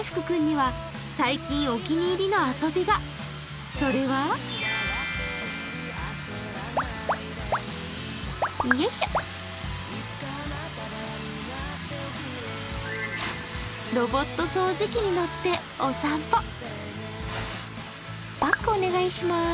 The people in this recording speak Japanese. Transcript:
君には最近お気に入りの遊びが、それはロボット掃除機に乗ってお散歩。